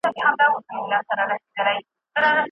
بېځایه مصارف به مو ستونزي حل نه کړي.